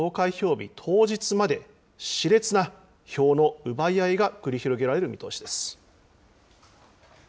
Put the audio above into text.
日、当日まで、しれつな票の奪い合いが繰り広げられる見通しです。